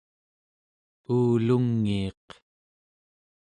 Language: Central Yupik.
uulungiiq